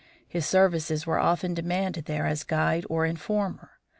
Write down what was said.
His services were often demanded there as guide or informer.